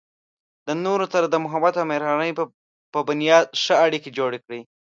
د نورو سره د محبت او مهربانۍ په بنیاد ښه اړیکې جوړې کړئ.